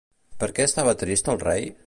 Per què estava trist el rei?